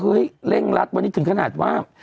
เร่งรัดวันนี้ถึงขนาดว่า